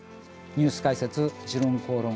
ニュース解説「時論公論」